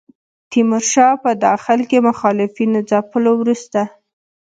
تیمورشاه په داخل کې مخالفینو ځپلو وروسته.